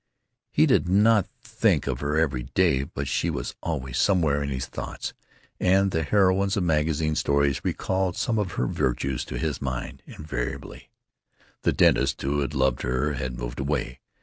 He did not think of her every day, but she was always somewhere in his thoughts, and the heroines of magazine stories recalled some of her virtues to his mind, invariably. The dentist who had loved her had moved away.